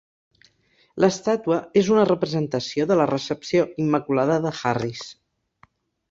L'estàtua és una representació de la Recepció Immaculada de Harris.